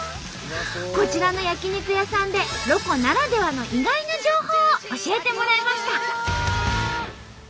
こちらの焼き肉屋さんでロコならではの意外な情報を教えてもらいました！